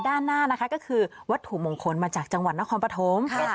ด้านหน้านะคะก็คือวัตถุมงคลมาจากจังหวัดนครปฐม